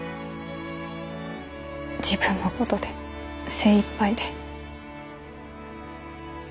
自分のことで精いっぱいで。